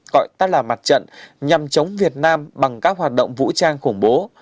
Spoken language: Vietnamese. gọi tắt là mặt trận nhằm chống việt nam bằng các hoạt động vũ trang khủng bố